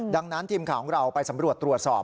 ดังนั้นทีมข่าวของเราไปสำรวจตรวจสอบ